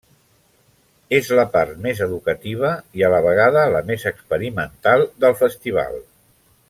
És la part més educativa i a la vegada la més experimental del festival.